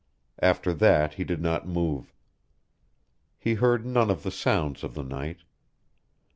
After that he did not move. He heard none of the sounds of the night.